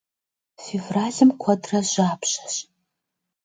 Fêvralım kuedre japşeş.